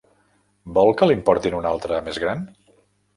Vol que li'n porti una altra més gran?